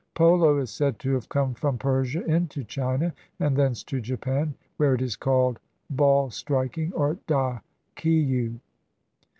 Polo is said to have come from Persia into China and thence to Japan, where it is called ball striking, or da kiu.